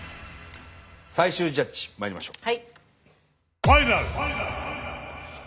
最終ジャッジまいりましょう。